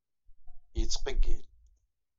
Yettqeyyil.